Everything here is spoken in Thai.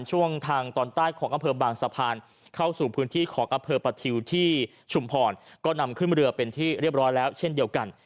ช่วงทางตอนใต้ของอำเภอบางสะพานเข้าสู่พื้นที่ของอำเภอประทิวที่ชุมพรก็นำขึ้นเรือเป็นที่เรียบร้อยแล้วเช่นเดียวกัน